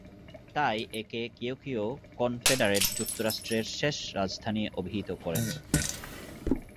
তাই একে কেউ কেউ কনফেডারেট যুক্তরাষ্ট্রের শেষ রাজধানী অভিহিত করেন।